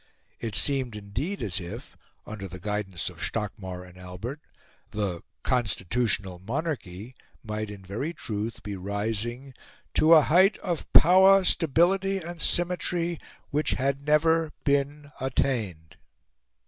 It seemed indeed as if, under the guidance of Stockmar and Albert, the "Constitutional Monarchy" might in very truth be rising "to a height of power, stability, and symmetry, which had never been attained."